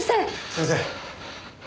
先生。